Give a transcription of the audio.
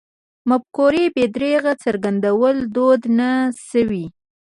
مفکورې بې درېغه څرګندول دود نه شوی.